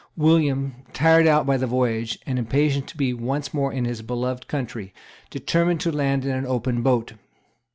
William, tired out by the voyage, and impatient to be once more in his beloved country, determined to land in an open boat.